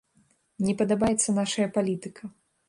Не падабаецца нашая палітыка.